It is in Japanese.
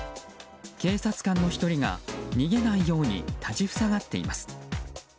警察官の１人が逃げないように立ち塞がっています。